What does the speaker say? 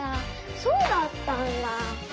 そうだったんだ。